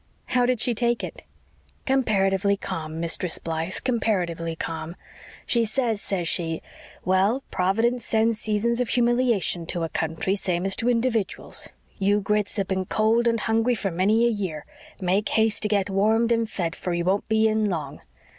"How did she take it?" "Comparatively calm, Mistress Blythe, comparatively calm. She says, says she, 'Well, Providence sends seasons of humiliation to a country, same as to individuals. You Grits have been cold and hungry for many a year. Make haste to get warmed and fed, for you won't be in long.'